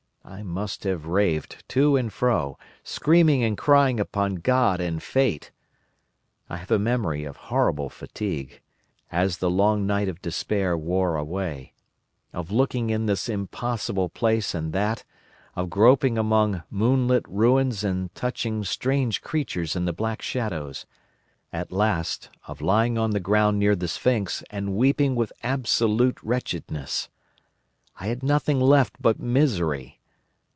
I must have raved to and fro, screaming and crying upon God and Fate. I have a memory of horrible fatigue, as the long night of despair wore away; of looking in this impossible place and that; of groping among moonlit ruins and touching strange creatures in the black shadows; at last, of lying on the ground near the sphinx and weeping with absolute wretchedness, even anger at the folly of leaving the machine having leaked away with my strength. I had nothing left but misery.